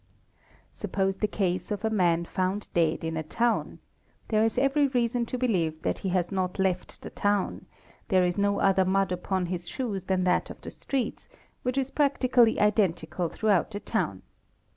216 THE CHEMICAL ANALYST Suppose the case of a man found dead in a town; there is every | reason to believe that he has not left the town; there is no other mud upon his shoes than that of the streets, which is practically identical : throughout the town.